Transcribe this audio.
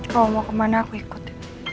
kau mau kemana aku ikut